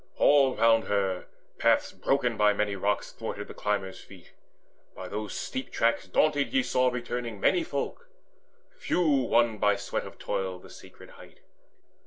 All round her, paths broken by many rocks Thwarted the climbers' feet; by those steep tracks Daunted ye saw returning many folk: Few won by sweat of toil the sacred height.